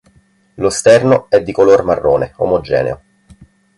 Lo sterno è di color marrone, omogeneo.